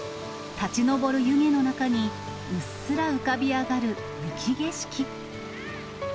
立ち上る湯気の中に、うっすら浮かび上がる雪景色。